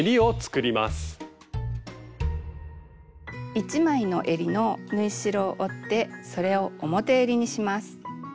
１枚のえりの縫い代を折ってそれを表えりにします。